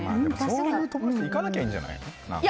そういうところに行かなきゃいいんじゃない？